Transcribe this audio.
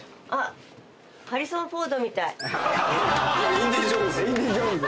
インディ・ジョーンズ。